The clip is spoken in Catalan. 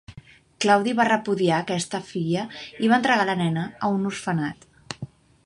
Claudi va repudiar aquesta filla i va entregar la nena a un orfenat.